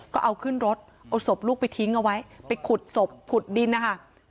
ก็เอาขึ้นรถเอาศพลูกไปทิ้งเอาไว้ไปขุดศพขุดดินนะคะ